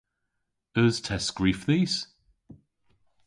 Eus testskrif dhis?